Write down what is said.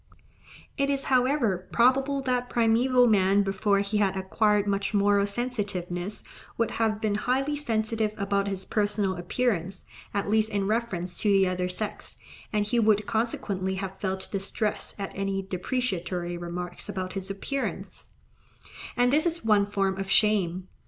It is, however, probable that primeval man before he had acquired much moral sensitiveness would have been highly sensitive about his personal appearance, at least in reference to the other sex, and he would consequently have felt distress at any depreciatory remarks about his appearance; and this is one form of shame.